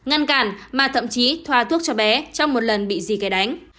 ngăn cản mà thậm chí thoa thuốc cho bé trong một lần bị gì cái đánh